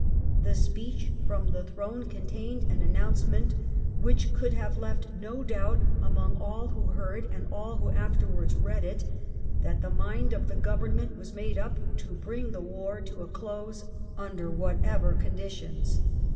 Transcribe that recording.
The speech from the throne contained an announcement which could have left no doubt among all who heard and all who afterwards read it, that the mind of the Government was made up to bring the war to a close under whatever conditions.